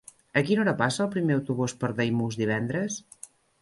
A quina hora passa el primer autobús per Daimús divendres?